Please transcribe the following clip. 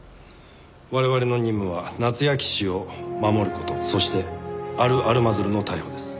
我々の任務は夏焼氏を守る事そしてアル・アルマズルの逮捕です。